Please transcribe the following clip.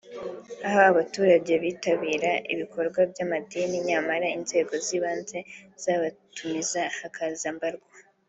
aho abaturage bitabira ibikorwa by’amadini nyamara inzego z’ibanze zabatumiza hakaza mbarwa